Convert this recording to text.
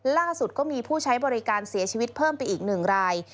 ล่าสุดก็มีผู้ใช้บริการเสียชีวิตเพิ่มไปอีก๑ราย